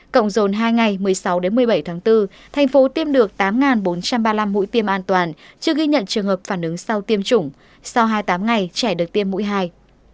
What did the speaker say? cộng dồn hai ngày một mươi sáu một mươi bảy tháng bốn thành phố tiêm được tám bốn trăm ba mươi năm mũi tiêm an toàn chưa ghi nhận trường hợp phản ứng sau tiêm chủng sau hai mươi tám ngày trẻ được tiêm mũi hai